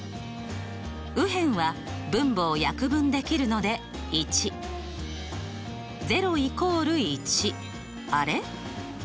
右辺は分母を約分できるので１。あれ？